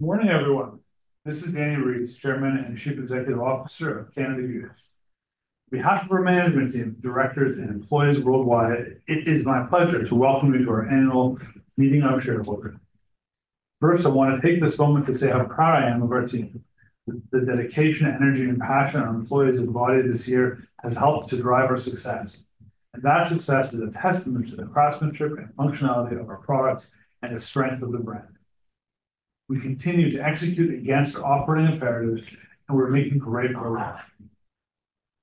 Good morning, everyone. This is Dani Reiss, Chairman and Chief Executive Officer of Canada Goose. On behalf of our management team, directors, and employees worldwide, it is my pleasure to welcome you to our Annual Meeting of Shareholders. First, I wanna take this moment to say how proud I am of our team. The dedication, energy, and passion our employees have embodied this year has helped to drive our success, and that success is a testament to the craftsmanship and functionality of our products and the strength of the brand. We continue to execute against our operating imperatives, and we're making great progress.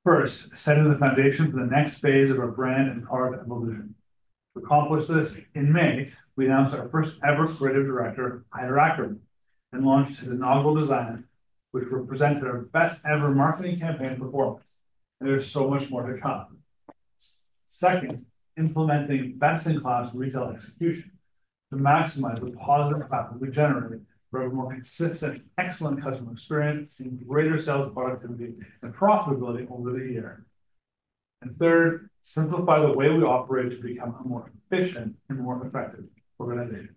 First, setting the foundation for the next phase of our brand and product evolution. To accomplish this, in May, we announced our first-ever creative director, Haider Ackermann, and launched his inaugural design, which represented our best-ever marketing campaign performance, and there's so much more to come. Second, implementing best-in-class retail execution to maximize the positive traffic we generated for a more consistent, excellent customer experience and greater sales, productivity, and profitability over the year. Third, simplify the way we operate to become a more efficient and more effective organization.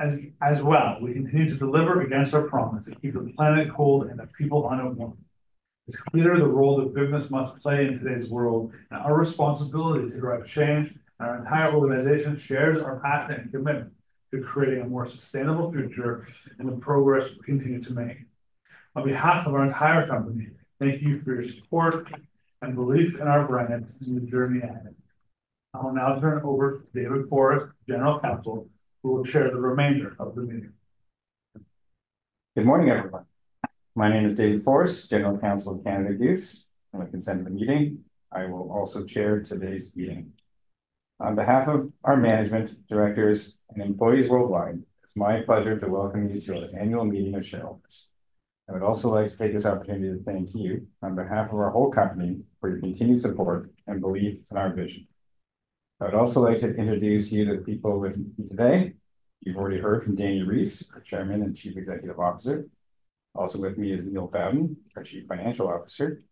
As well, we continue to deliver against our promise to keep the planet cold and the people warm. It's clear the role that business must play in today's world and our responsibility to drive change. Our entire organization shares our passion and commitment to creating a more sustainable future, and the progress we continue to make. On behalf of our entire company, thank you for your support and belief in our brand and the journey ahead. I will now turn it over to David Forrest, General Counsel, who will chair the remainder of the meeting. Good morning, everyone. My name is David Forrest, General Counsel of Canada Goose. With the consent of the meeting, I will also chair today's meeting. On behalf of our management, directors, and employees worldwide, it's my pleasure to welcome you to our annual meeting of shareholders. I would also like to take this opportunity to thank you on behalf of our whole company, for your continued support and belief in our vision. I would also like to introduce you to the people with me today. You've already heard from Dani Reiss, our Chairman and Chief Executive Officer. Also with me is Neil Bowden, our Chief Financial Officer,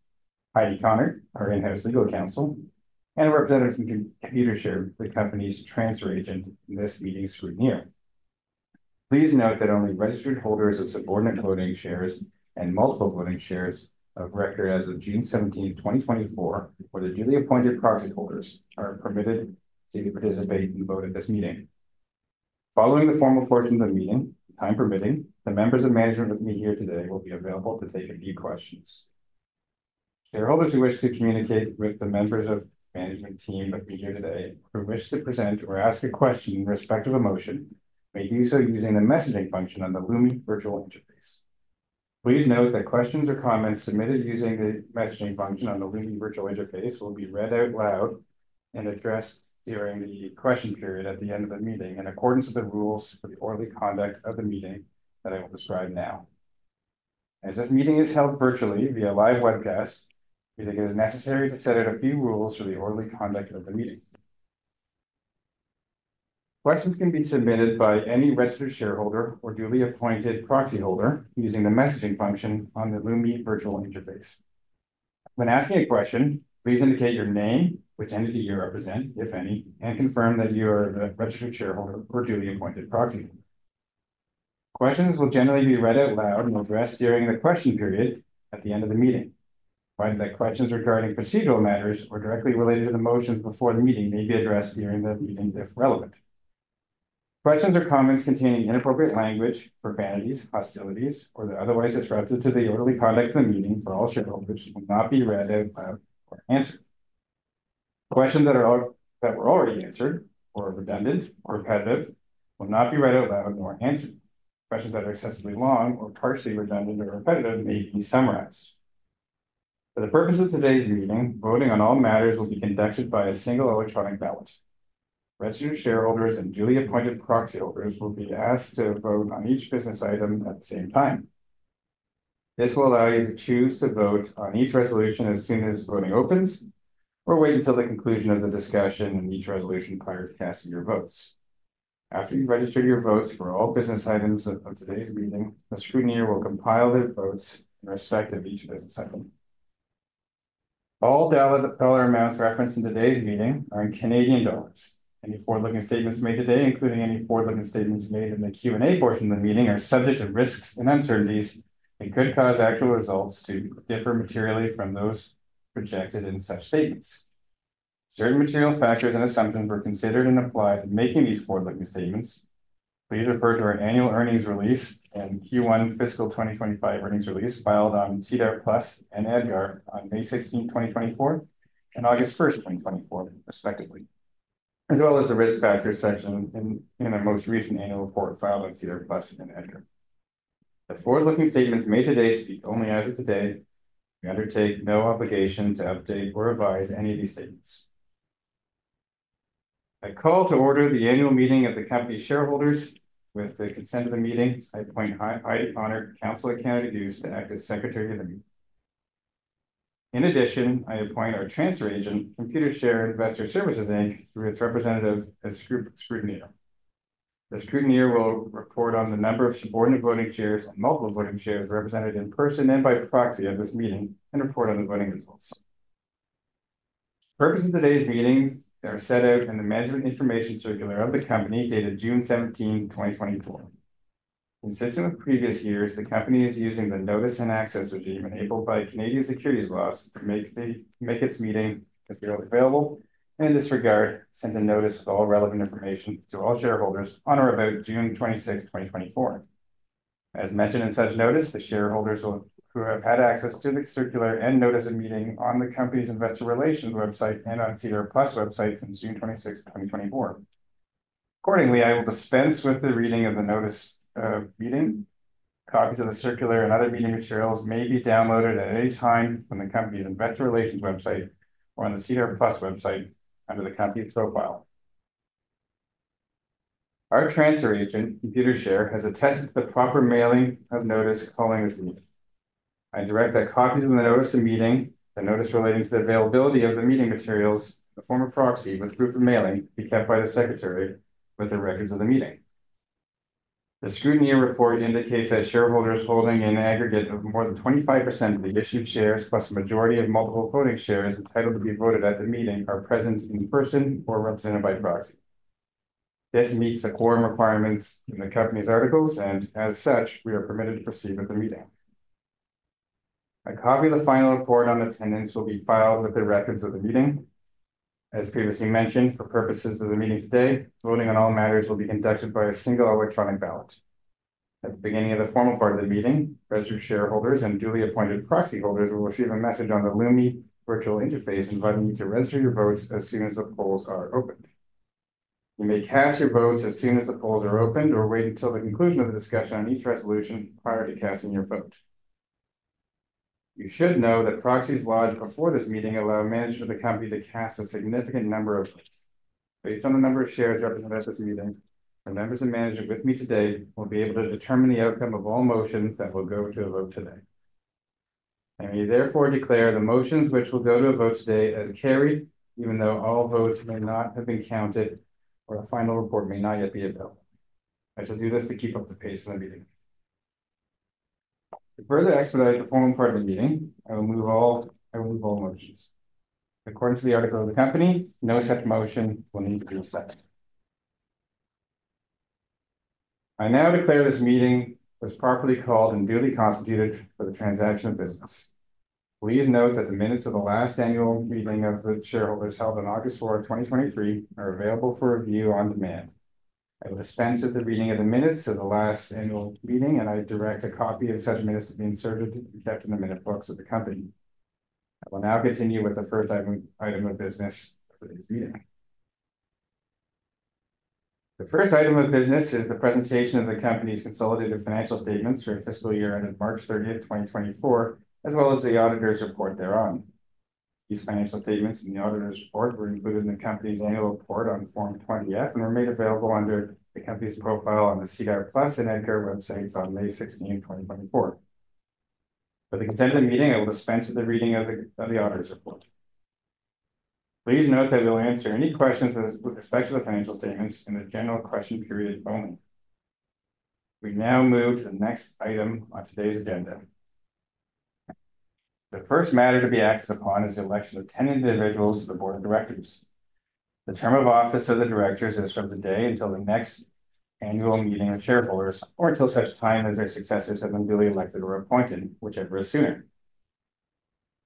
Heidi Konnert, our in-house legal counsel, and a representative from Computershare, the company's transfer agent, and this meeting's scrutineer. Please note that only registered holders of subordinate voting shares and multiple voting shares of record as of June 17th, 2024, or the duly appointed proxy holders, are permitted to participate and vote in this meeting. Following the formal portion of the meeting, time permitting, the members of management with me here today will be available to take a few questions. Shareholders who wish to communicate with the members of management team with me here today, who wish to present or ask a question in respect of a motion, may do so using the messaging function on the Lumi virtual interface. Please note that questions or comments submitted using the messaging function on the Lumi virtual interface will be read out loud and addressed during the question period at the end of the meeting, in accordance with the rules for the orderly conduct of the meeting that I will describe now. As this meeting is held virtually via live webcast, we think it is necessary to seconded out a few rules for the orderly conduct of the meeting. Questions can be submitted by any registered shareholder or duly appointed proxy holder using the messaging function on the Lumi virtual interface. When asking a question, please indicate your name, which entity you represent, if any, and confirm that you are the registered shareholder or duly appointed proxy. Questions will generally be read out loud and addressed during the question period at the end of the meeting, provided that questions regarding procedural matters or directly related to the motions before the meeting may be addressed during the meeting, if relevant. Questions or comments containing inappropriate language, profanities, hostilities, or that are otherwise disruptive to the orderly conduct of the meeting for all shareholders will not be read out loud or answered. Questions that are, that were already answered or are redundant or repetitive will not be read out loud nor answered. Questions that are excessively long or partially redundant or repetitive may be summarized. For the purpose of today's meeting, voting on all matters will be conducted by a single electronic ballot. Registered shareholders and duly appointed proxy holders will be asked to vote on each business item at the same time. This will allow you to choose to vote on each resolution as soon as voting opens or wait until the conclusion of the discussion on each resolution prior to casting your votes. After you've registered your votes for all business items of today's meeting, the scrutineer will compile the votes in respect of each business item. All dollar amounts referenced in today's meeting are in Canadian dollars. Any forward-looking statements made today, including any forward-looking statements made in the Q&A portion of the meeting, are subject to risks and uncertainties and could cause actual results to differ materially from those projected in such statements. Certain material factors and assumptions were considered and applied in making these forward-looking statements. Please refer to our annual earnings release and Q1 fiscal 2025 earnings release, filed on SEDAR+ and EDGAR on May 16th, 2024, and August 1st, 2024, respectively, as well as the Risk Factors section in our most recent annual report filed on SEDAR+ and EDGAR. The forward-looking statements made today speak only as of today. We undertake no obligation to update or revise any of these statements. I call to order the annual meeting of the company's shareholders. With the consent of the meeting, I appoint Heidi Connor, counsel at Canada Goose, to act as Secretary of the meeting. In addition, I appoint our transfer agent, Computershare Investor Services Inc, through its representative, as scrutineer. The scrutineer will report on the number of subordinate voting shares and multiple voting shares represented in person and by proxy at this meeting and report on the voting results. The purpose of today's meeting are set out in the management information circular of the company, dated June 17th, 2024. Consistent with previous years, the company is using the notice and access regime enabled by Canadian securities laws to make, make its meeting materials available, and in this regard, sent a notice with all relevant information to all shareholders on or about June 26th, 2024. As mentioned in such notice, the shareholders will, who have had access to the circular and notice of meeting on the company's investor relations website and on SEDAR+ website since June 26th, 2024. Accordingly, I will dispense with the reading of the notice of meeting. Copies of the circular and other meeting materials may be downloaded at any time from the company's investor relations website or on the SEDAR+ website under the company's profile. Our transfer agent, Computershare, has attested to the proper mailing of notice calling this meeting. I direct that copies of the notice of meeting, the notice relating to the availability of the meeting materials, a form of proxy with proof of mailing, be kept by the secretary with the records of the meeting. The Scrutineer's report indicates that shareholders holding an aggregate of more than 25% of the issued shares, plus a majority of Multiple Voting Shares entitled to be voted at the meeting, are present in person or represented by proxy. This meets the quorum requirements in the company's articles, and as such, we are permitted to proceed with the meeting. A copy of the final report on attendance will be filed with the records of the meeting. As previously mentioned, for purposes of the meeting today, voting on all matters will be conducted by a single electronic ballot. At the beginning of the formal part of the meeting, registered shareholders and duly appointed proxy holders will receive a message on the Lumi virtual interface inviting you to register your votes as soon as the polls are opened. You may cast your votes as soon as the polls are opened or wait until the conclusion of the discussion on each resolution prior to casting your vote. You should know that proxies lodged before this meeting allow management of the company to cast a significant number of votes. Based on the number of shares represented at this meeting, the members and management with me today will be able to determine the outcome of all motions that will go to a vote today. I may therefore declare the motions which will go to a vote today as carried, even though all votes may not have been counted or a final report may not yet be available. I shall do this to keep up the pace of the meeting. To further expedite the formal part of the meeting, I will move all motions. According to the articles of the company, no such motion will need to be set. I now declare this meeting as properly called and duly constituted for the transaction of business. Please note that the minutes of the last annual meeting of the shareholders, held on August 4, 2023, are available for review on demand. I will dispense with the reading of the minutes of the last annual meeting, and I direct a copy of such minutes to be inserted and kept in the minute books of the company. I will now continue with the first item, item of business of today's meeting. The first item of business is the presentation of the company's consolidated financial statements for the fiscal year ended March 30th, 2024, as well as the auditor's report thereon. These financial statements and the auditor's report were included in the company's annual report on Form 20-F and were made available under the company's profile on the SEDAR+ and EDGAR websites on May 16th, 2024. For the consent of the meeting, I will dispense with the reading of the auditor's report. Please note that we'll answer any questions with respect to the financial statements in the general question period only. We now move to the next item on today's agenda. The first matter to be acted upon is the election of 10 individuals to the board of directors. The term of office of the directors is from today until the next annual meeting of shareholders or until such time as their successors have been duly elected or appointed, whichever is sooner.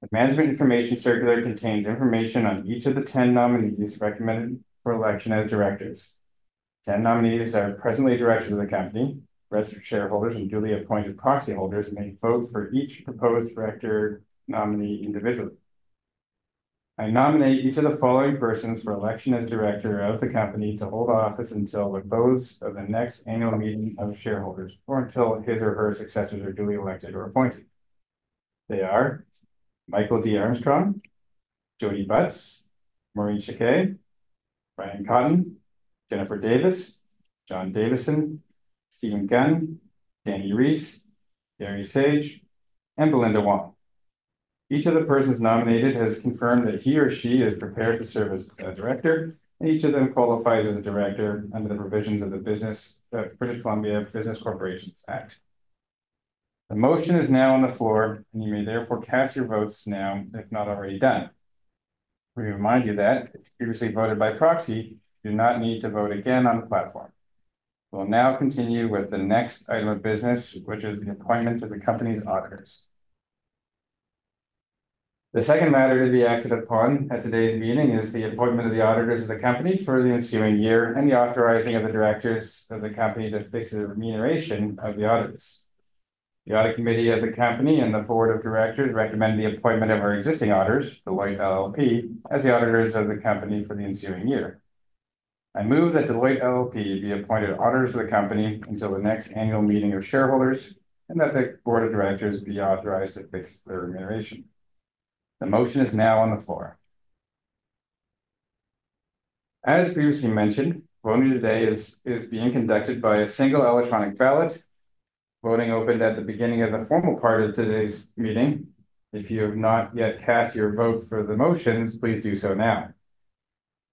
The Management Information Circular contains information on each of the 10 nominees recommended for election as directors. 10 nominees are presently directors of the company. Registered shareholders and duly appointed proxy holders may vote for each proposed director nominee individually. I nominate each of the following persons for election as director of the company to hold office until the close of the next annual meeting of shareholders, or until his or her successors are duly elected or appointed. They are: Michael D. Armstrong, Jodi Butts, Maureen Chiquet, Ryan Cotton, Jennifer Davis, John Davison, Stephen Gunn, Dani Reiss, Gary Saage, and Belinda Wong. Each of the persons nominated has confirmed that he or she is prepared to serve as a director, and each of them qualifies as a director under the provisions of the British Columbia Business Corporations Act. The motion is now on the floor, and you may therefore cast your votes now, if not already done. Let me remind you that if you previously voted by proxy, you do not need to vote again on the platform. We'll now continue with the next item of business, which is the appointment of the company's auditors. The second matter to be acted upon at today's meeting is the appointment of the auditors of the company for the ensuing year and the authorizing of the directors of the company to fix the remuneration of the auditors. The audit committee of the company and the board of directors recommend the appointment of our existing auditors, Deloitte LLP, as the auditors of the company for the ensuing year. I move that Deloitte LLP be appointed auditors of the company until the next annual meeting of shareholders and that the board of directors be authorized to fix their remuneration. The motion is now on the floor. As previously mentioned, voting today is being conducted by a single electronic ballot. Voting opened at the beginning of the formal part of today's meeting. If you have not yet cast your vote for the motions, please do so now.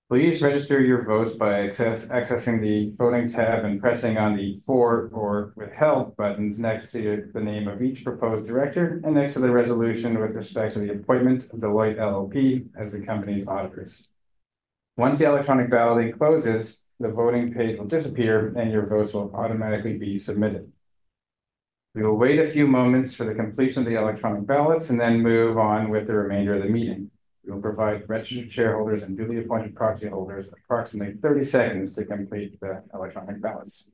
Please register your votes by access, accessing the Voting tab and pressing on the For or Withheld buttons next to the name of each proposed director, and next to the resolution with respect to the appointment of Deloitte LLP as the company's auditors. Once the electronic balloting closes, the voting page will disappear, and your votes will automatically be submitted. We will wait a few moments for the completion of the electronic ballots and then move on with the remainder of the meeting. We will provide registered shareholders and duly appointed proxy holders approximately 30 seconds to complete the electronic ballots.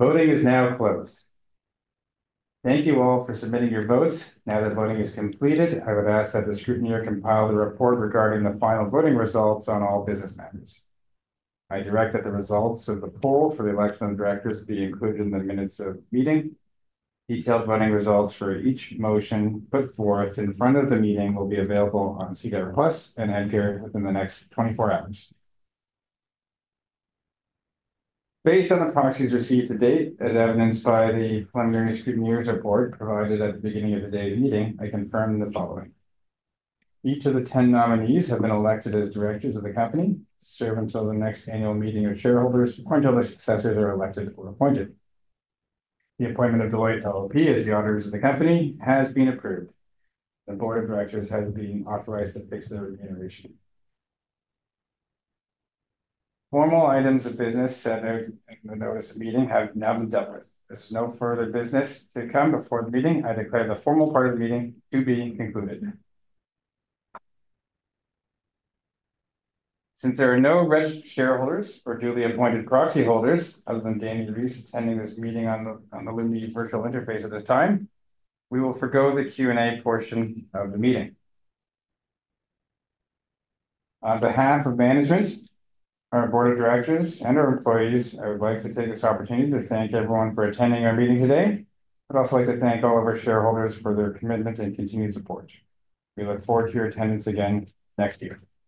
Voting is now closed. Thank you all for submitting your votes. Now that voting is completed, I would ask that the scrutineer compile the report regarding the final voting results on all business matters. I direct that the results of the poll for the election of directors be included in the minutes of the meeting. Detailed voting results for each motion put forth in front of the meeting will be available on SEDAR+ and EDGAR within the next 24 hours. Based on the proxies received to date, as evidenced by the preliminary scrutineer's report provided at the beginning of the day's meeting, I confirm the following: Each of the 10 nominees have been elected as directors of the company, serve until the next annual meeting of shareholders, or until their successors are elected or appointed. The appointment of Deloitte LLP as the auditors of the company has been approved. The board of directors has been authorized to fix their remuneration. Formal items of business set out in the notice of meeting have now been dealt with. There's no further business to come before the meeting. I declare the formal part of the meeting to be concluded. Since there are no registered shareholders or duly appointed proxy holders other than Dani Reiss attending this meeting on the Lumi virtual interface at this time, we will forego the Q&A portion of the meeting. On behalf of management, our board of directors, and our employees, I would like to take this opportunity to thank everyone for attending our meeting today. I'd also like to thank all of our shareholders for their commitment and continued support. We look forward to your attendance again next year.